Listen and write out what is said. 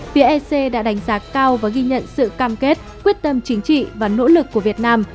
phía ec đã đánh giá cao và ghi nhận sự cam kết quyết tâm chính trị và nỗ lực của việt nam